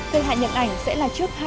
thời hạn nhận ảnh sẽ là trước hai mươi bốn h